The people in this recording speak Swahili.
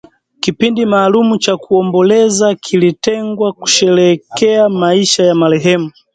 Kipindi maalum cha kuomboleza kilitengwa kusherekea maisha ya marehemu